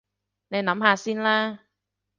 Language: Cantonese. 你諗下先啦